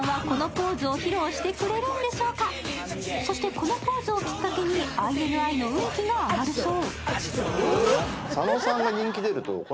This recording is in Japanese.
このポーズをきっかけにＩＮＩの運気が上がるそう。